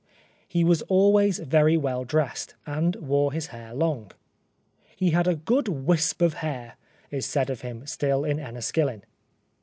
He was always very well dressed, and wore his hair long. " He had a good wisp of hair!" is said of him still in Enniskillen.